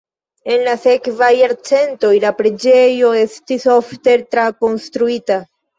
En la sekvaj jarcentoj la preĝejo estis ofte trakonstruita.